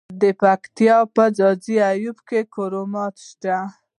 د پکتیا په ځاځي اریوب کې کرومایټ شته.